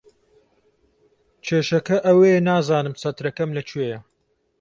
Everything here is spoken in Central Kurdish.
کێشەکە ئەوەیە نازانم چەترەکەم لەکوێیە.